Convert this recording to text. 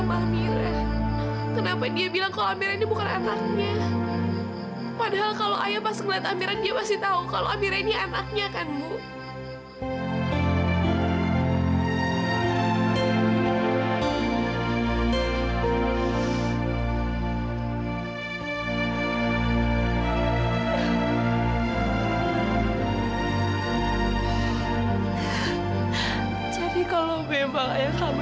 sampai jumpa di video selanjutnya